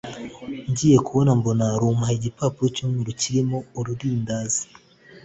ngiye kubona mbona, rumpaye igipapuro cyumweru kirimo ururindazi